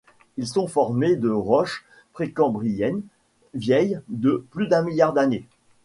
Ils sont formés de roches précambriennes vieilles de plus d'un milliard d'années.